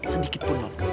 sedikit pun non